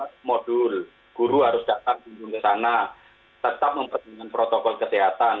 membuat modul guru harus datang ke sana tetap memperkenalkan protokol kesehatan